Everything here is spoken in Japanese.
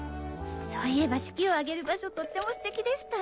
そういえば式を挙げる場所とってもステキでした。